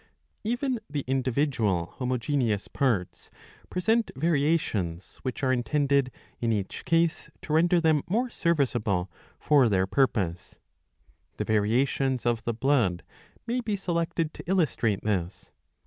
Even the individual homogeneous parts present variations, which are intended in each case to render them more serviceable for their purpose. The variations of the blood may be selected to illustrate this.